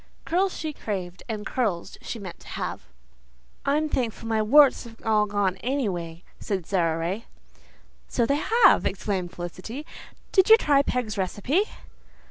Curls she craved and curls she meant to have. "I'm thankful my warts have all gone, any way," said Sara Ray. "So they have," exclaimed Felicity. "Did you try Peg's recipe?"